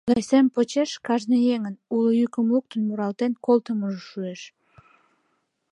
Тыгай сем почеш кажне еҥын, уло йӱкым луктын, муралтен колтымыжо шуэш.